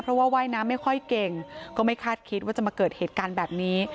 เพราะว่าว่ายน้ำไม่ค่อยเก่ง